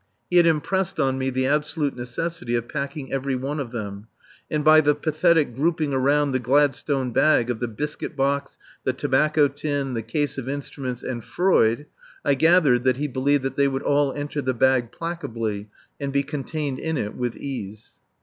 He had impressed on me the absolute necessity of packing every one of them, and by the pathetic grouping around the Gladstone bag of the biscuit box, the tobacco tin, the case of instruments and Freud, I gathered that he believed that they would all enter the bag placably and be contained in it with ease.